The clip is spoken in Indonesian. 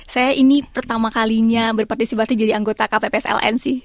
saya ini pertama kalinya berpartisipasi jadi anggota kppsln sih